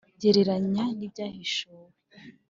gereranya n’ibyahishuwe